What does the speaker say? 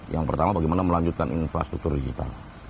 yang pertama bagaimana melanjutkan infrastruktur digital